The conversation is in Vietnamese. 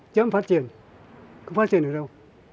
chớm phát triển không phát triển được đâu